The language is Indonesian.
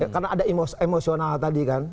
karena ada emosional tadi kan